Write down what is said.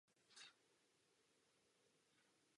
V Česku je vzácné.